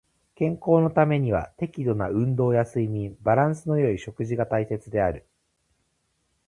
健康のためには適度な運動や睡眠、バランスの良い食事が大切である。